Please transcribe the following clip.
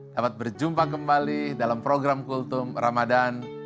dapat berjumpa kembali dalam program kultum ramadhan